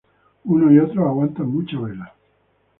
Unos y otros aguantan mucha vela.